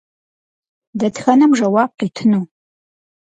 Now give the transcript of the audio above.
Дэтхэнэм жэуап къитыну?